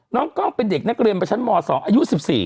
กล้องเป็นเด็กนักเรียนประชั้นม๒อายุ๑๔